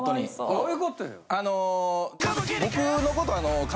どういうことよ。